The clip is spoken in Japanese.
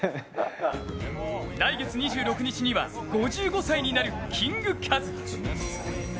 来月２６日には５５歳になるキングカズ。